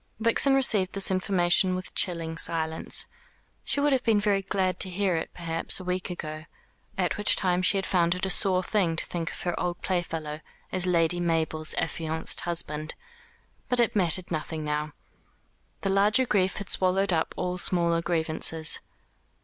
Vixen received this information with chilling silence. She would have been very glad to hear it, perhaps, a week ago at which time she had found it a sore thing to think of her old playfellow as Lady Mabel's affianced husband but it mattered nothing now. The larger grief had swallowed up all smaller grievances.